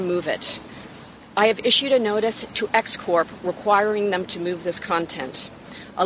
saya telah mengisikan peringatan ke x corp yang membutuhkan mereka untuk menghapus konten ini